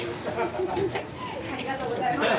ありがとうございます。